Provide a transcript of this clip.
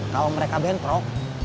kalau mereka bentrok